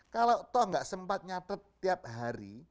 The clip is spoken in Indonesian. kalau enggak sempat nyatet tiap hari